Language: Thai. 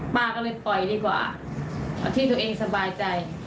ป้าก็เลยปล่อยดีกว่าเอาที่ตัวเองสบายใจ